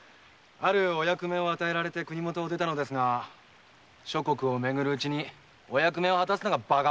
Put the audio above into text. あるお役目を与えられて国許を出たのですが諸国を巡るうちにお役目を果たすのがバカバカしくなりましてね。